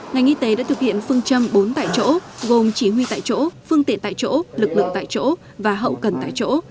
ngành y tế đã thực hiện phương châm bốn tại chỗ gồm chỉ huy tại chỗ phương tiện tại chỗ lực lượng tại chỗ và hậu cần tại chỗ